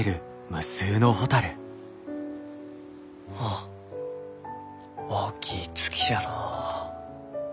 あ大きい月じゃのう。